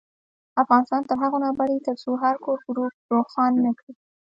افغانستان تر هغو نه ابادیږي، ترڅو هر کور ګروپ روښانه نکړي.